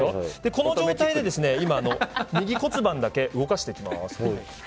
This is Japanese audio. この状態で今、右骨盤だけ動かしていきます。